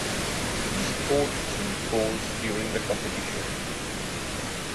He scored three goals during the competition.